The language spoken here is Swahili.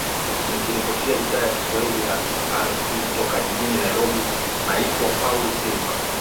nikiripotia idhaa ya kiswahili ya rfi toka jijini nairobi naitwa paul silver